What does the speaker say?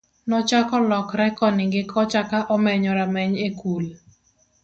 nochako lokre koni gi kocha ka omenyo rameny e kul